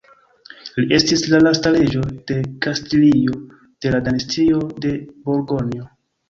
Li estis la lasta reĝo de Kastilio de la Dinastio de Burgonjo.